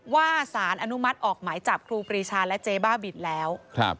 สารอนุมัติออกหมายจับครูปรีชาและเจ๊บ้าบินแล้ว